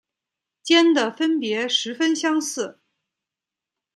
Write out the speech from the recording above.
间的分别十分相似。